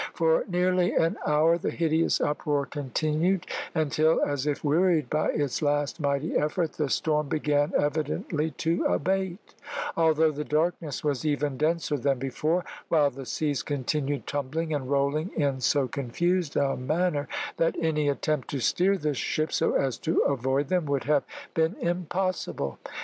For nearly an hour the hideous uproar continued, until, as if wearied by its last mighty effort, the storm began evidently to abate, although the darkness was even denser than before, while the seas continued tumbling and rolling in so confused a manner that any attempt to steer the ship, so as to avoid them, would have been impossible.